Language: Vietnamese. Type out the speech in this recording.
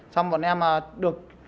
xong bọn em được